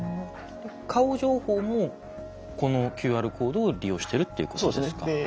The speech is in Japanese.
顔情報もこのＱＲコードを利用してるっていうことですか？